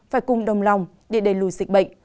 phải cùng đồng lòng để đẩy lùi dịch bệnh